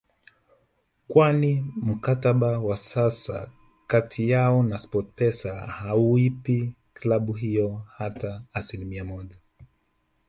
kwani mkataba wa sasa kati yao na Sportpesa hauipi klabu hiyo hata asilimia moja